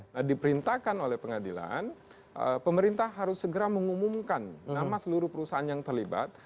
nah diperintahkan oleh pengadilan pemerintah harus segera mengumumkan nama seluruh perusahaan yang terlibat